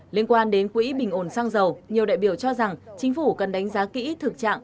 liên quan đến quỹ bình ổn xăng dầu nhiều đại biểu cho rằng chính phủ cần đánh giá kỹ thực trạng